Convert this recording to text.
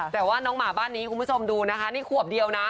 แต่ว่าน้องหมาบ้านนี้คุณผู้ชมดูนะคะนี่ขวบเดียวนะ